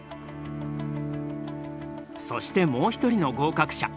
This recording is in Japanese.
そしてもう一人の合格者。